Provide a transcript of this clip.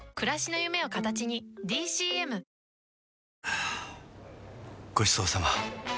はぁごちそうさま！